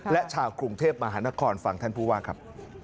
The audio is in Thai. และชาวกรุงเทพมหานครฟังท่านผู้ว่าครับ